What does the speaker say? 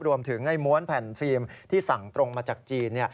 ไอ้ม้วนแผ่นฟิล์มที่สั่งตรงมาจากจีน